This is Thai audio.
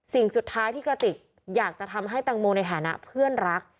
สิ่งสุดท้ายที่กระติกอยากจะทำให้แตงโมในฐานะเพื่อนรัก